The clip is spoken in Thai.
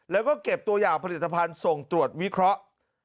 แล้วก็เก็บตัวอย่างผลิตภัณฑ์ส่งตรวจวิเคราะห์